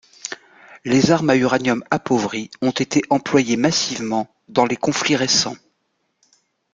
Les armes à uranium appauvri ont été employées massivement dans les conflits récents.